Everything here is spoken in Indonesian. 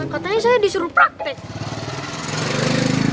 katanya saya disuruh praktek